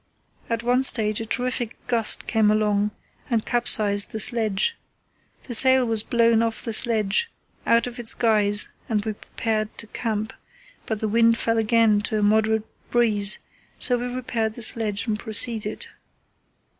At one stage a terrific gust came along and capsized the sledge. The sail was blown off the sledge, out of its guys, and we prepared to camp, but the wind fell again to a moderate breeze, so we repaired the sledge and proceeded.